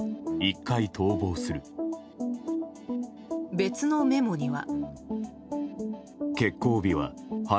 別のメモには。